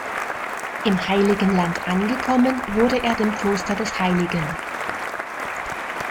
Im Heiligen Land angekommen wurde er dem Kloster des Hl.